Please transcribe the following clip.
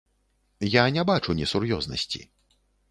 Я не бачу несур'ёзнасці.